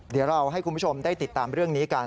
เดี๋ยวเราให้คุณผู้ชมได้ติดตามเรื่องนี้กัน